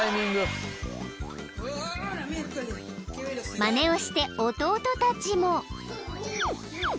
［まねをして弟たちも］